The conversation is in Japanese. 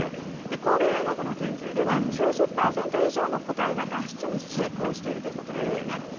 神戸大学の研究では、９０％以上の個体が脱出に成功しているということなんですね。